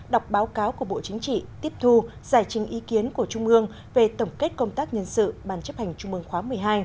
đọc báo cáo của bộ chính trị tiếp thu giải trình ý kiến của trung ương về tổng kết công tác nhân sự ban chấp hành trung mương khóa một mươi hai